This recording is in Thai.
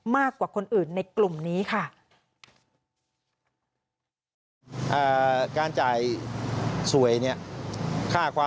มากกว่าคนอื่นในกลุ่มนี้ค่ะ